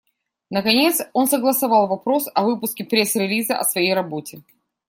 Наконец, он согласовал вопрос о выпуске пресс-релиза о своей работе.